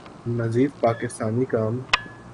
مزید پاکستانی کم